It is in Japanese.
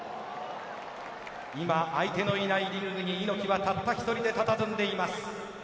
今、相手のいないリングに猪木はたった１人でたたずんでいます。